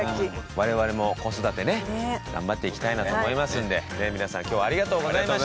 我々も子育てね頑張っていきたいなと思いますんで皆さん今日はありがとうございました。